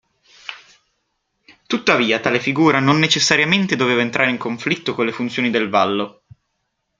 Tuttavia tale figura non necessariamente doveva entrare in conflitto con le funzioni del Vallo.